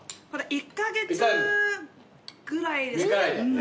１カ月ぐらいですかね。